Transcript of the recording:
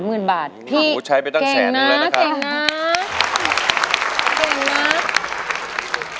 พี่เก่งนะพี่เก่งนะพี่เก่งนะโอ้โฮใช้ไปตั้งแสนอีกแล้วนะครับ